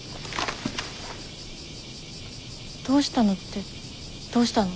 どうしたのってどうしたの？